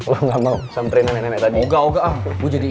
lo gak mau samperin nenek nenek tadi